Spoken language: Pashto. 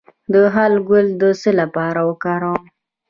د هل ګل د څه لپاره وکاروم؟